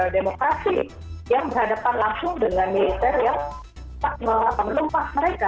demokrasi yang berhadapan langsung dengan militer yang melumpah mereka